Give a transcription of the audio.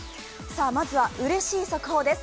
まずはうれしい速報です。